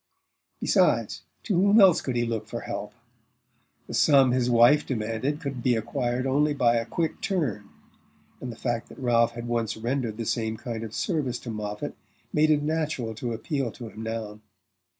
Besides, to whom else could he look for help? The sum his wife demanded could be acquired only by "a quick turn," and the fact that Ralph had once rendered the same kind of service to Moffatt made it natural to appeal to him now.